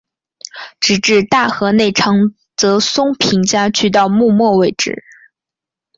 直至大河内长泽松平家去到幕末为止。